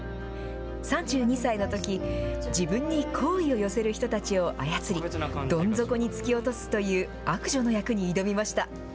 ３２歳のとき、自分に好意を寄せる人たちをあやつり、どん底に突き落とすという悪女の役に挑みました。